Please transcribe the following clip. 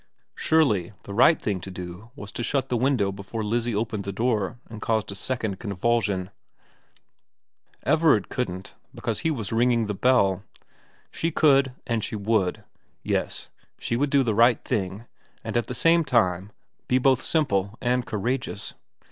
Surely the right thing to do was to shut the window before Lizzie opened the door and caused a second convulsion ? Everard couldn't, because he was ringing the bell. She could and she would ; yes, she would do the right thing, and at the same time be both simple and courageous.